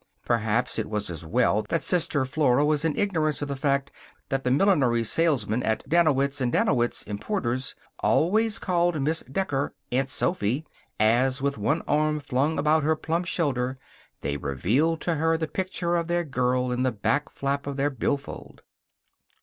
Perhaps it was as well that Sister Flora was in ignorance of the fact that the millinery salesmen at Danowitz & Danowitz, Importers, always called Miss Decker Aunt Soph, as, with one arm flung about her plump shoulder, they revealed to her the picture of their girl in the back flap of their billfold.